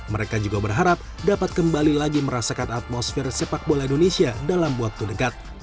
mereka juga berharap dapat kembali lagi merasakan atmosfer sepak bola indonesia dalam waktu dekat